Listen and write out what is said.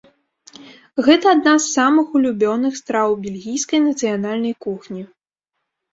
Гэта адна з самых улюбёных страў бельгійскай нацыянальнай кухні.